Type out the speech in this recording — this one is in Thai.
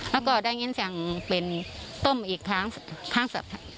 แล้วก็ดังนี้เองเป็นต้มอีกครั้ง